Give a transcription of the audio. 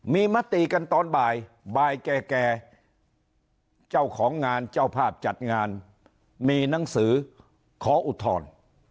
มีมติกันตอนบ่ายบ่ายแก่เจ้าของงานเจ้าภาพจัดงานมีหนังสือขออุทธรณ์